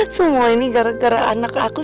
semua ini gara gara anak aku